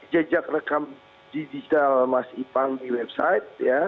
jejak rekam digital mas ipang di website